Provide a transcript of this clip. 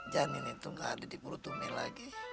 janin itu gak ada di perut umi lagi